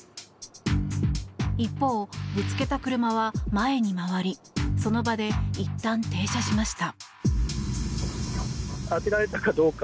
一方、ぶつけた車は前に回りその場でいったん停車しました。